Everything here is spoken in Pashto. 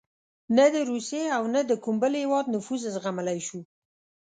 نه د روسیې او نه د کوم بل هېواد نفوذ زغملای شو.